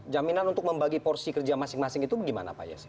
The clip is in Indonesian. jaminan untuk membagi porsi kerja masing masing itu bagaimana pak yesi